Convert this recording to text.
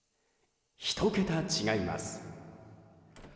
１桁違います。